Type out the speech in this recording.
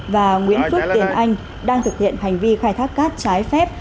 và nguyễn phúc tiền anh đang thực hiện hành vi khai thác cát trái phép